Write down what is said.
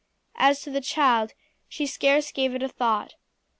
As to the child, she scarce gave it a thought.